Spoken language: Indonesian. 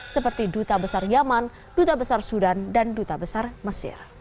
seperti duta besar yaman duta besar sudan dan duta besar mesir